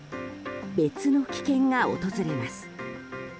別の危険が訪れます。